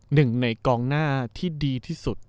หนึ่งในกองหน้าที่ดีที่สุด